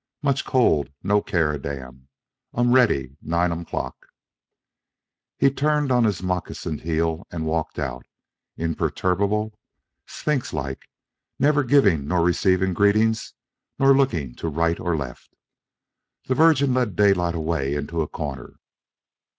"Much cold, no care a damn. Um ready nine um clock." He turned on his moccasined heel and walked out, imperturbable, sphinx like, neither giving nor receiving greetings nor looking to right or left. The Virgin led Daylight away into a corner.